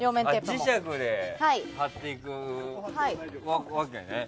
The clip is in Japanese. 磁石で貼っていくわけね。